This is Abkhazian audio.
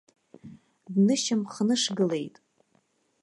Днышьамхнышгылеит.